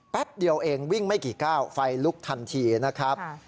เดียวเองวิ่งไม่กี่ก้าวไฟลุกทันทีนะครับ